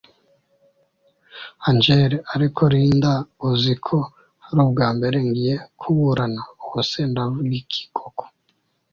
Angel ariko Linda uzi ko arubwambere ngiye kuburana Ubu se ndavugiki koko